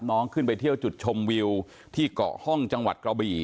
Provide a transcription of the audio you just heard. ขึ้นไปเที่ยวจุดชมวิวที่เกาะห้องจังหวัดกระบี่